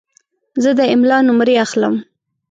زه د املا نمرې اخلم.